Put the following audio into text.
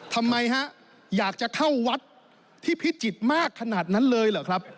ทำไมฮะอยากจะเข้าวัดที่พิจิตรมากขนาดนั้นเลยเหรอครับ